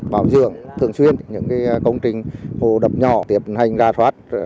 bảo dưỡng thường xuyên những công trình hồ đập nhỏ tiến hành ra thoát